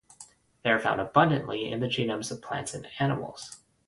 They are found abundantly in the genomes of plants and animals.